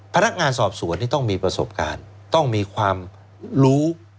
พนักงานสอบสวนนี่ต้องมีประสบการณ์ต้องมีความรู้